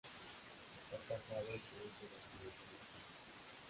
Está casado y tiene su residencia en Los Ángeles.